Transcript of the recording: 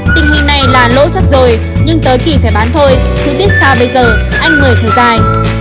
tình hình này là lỗ chắc rồi nhưng tới kỳ phải bán thôi chứ biết sao bây giờ anh mười thử gài